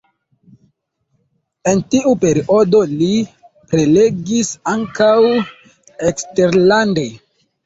En tiu periodo li prelegis ankaŭ eksterlande.